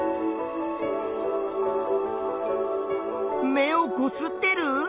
目をこすってる？